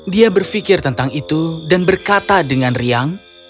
dia berpikir tentang itu dan berkata dengan riang